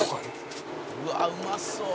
「うわうまそう」